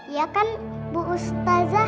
iya kan bu ustazah